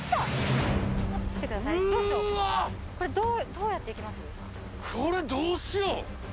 これどうやって行きます？